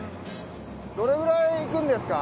どれくらい行くんですか？